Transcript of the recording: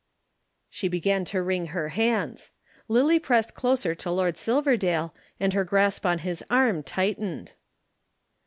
She began to wring her hands. Lillie pressed closer to Lord Silverdale and her grasp on his arm tightened.